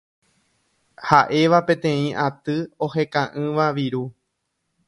ha'éva peteĩ aty oheka'ỹva viru